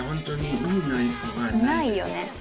ないよね。